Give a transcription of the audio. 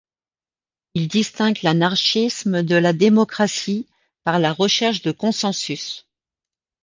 Il distingue l'anarchisme de la démocratie par la recherche de consensus.